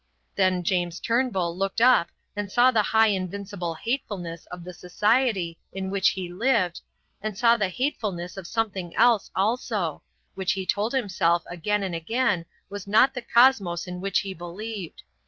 Then James Turnbull looked up and saw the high invincible hatefulness of the society in which he lived, and saw the hatefulness of something else also, which he told himself again and again was not the cosmos in which he believed.